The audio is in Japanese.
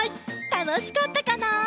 たのしかったかな？